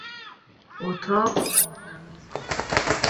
اتاق تر و تمیز بود.